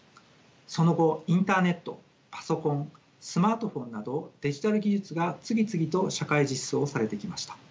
その後インターネットパソコンスマートフォンなどデジタル技術が次々と社会実装されてきました。